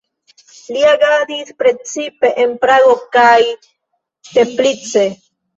Li agadis precipe en Prago kaj Teplice.